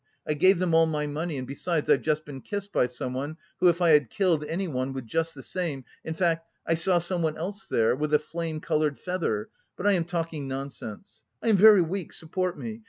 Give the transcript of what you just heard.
I gave them all my money... and besides I've just been kissed by someone who, if I had killed anyone, would just the same... in fact I saw someone else there... with a flame coloured feather... but I am talking nonsense; I am very weak, support me...